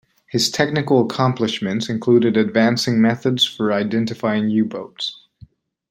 His technical accomplishments included advancing methods for identifying U-boats.